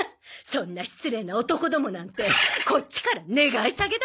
そんな失礼な男どもなんてこっちから願い下げだわ。